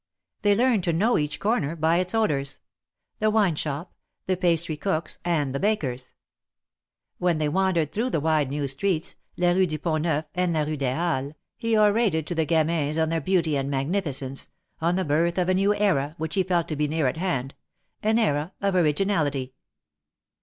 They learned to know each corner by its odors — the wine shop — the pastry cook's, and the baker's. When they wandered through the wide new streets, la Rue du Pont Neuf and la Rue des Halles, he orated to the 194 THE MARKETS OF PARIS. gamins on their beauty and magnificence — on the birth of a new era which he felt to be near at hand — an era of originality.